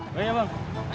udah ya bang